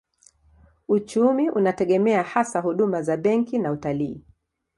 Uchumi unategemea hasa huduma za benki na utalii.